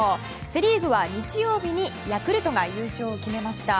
セ・リーグは日曜日にヤクルトが優勝を決めました。